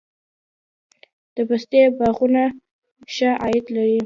د پستې باغونه ښه عاید لري؟